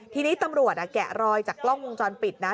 ทีนี้ตำรวจแกะรอยจากกล้องวงจรปิดนะ